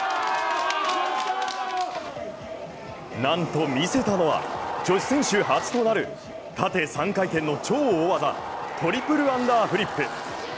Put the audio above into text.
なんと見せたのは、女子選手初となる縦３回転の超大技トリプルアンダーフリップ。